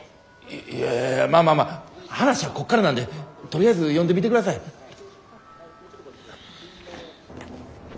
いやいやいやまあまあまあ話はこっからなんでとりあえず読んでみてください。え？